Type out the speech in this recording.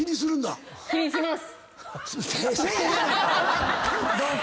絶対気にします。